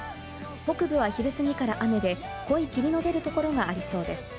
北部は昼過ぎから雨で濃い霧の出る所がありそうです。